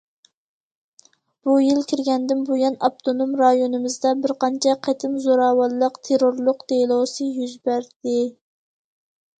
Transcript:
بۇ يىل كىرگەندىن بۇيان، ئاپتونوم رايونىمىزدا بىر قانچە قېتىم زوراۋانلىق، تېررورلۇق دېلوسى يۈز بەردى.